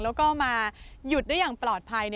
แล้วก็มาหยุดได้อย่างปลอดภัย